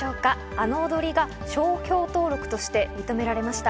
あの踊りが商標登録として認められました。